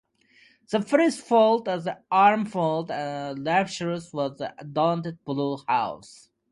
The first-built armoured limousine was donated to Blue House.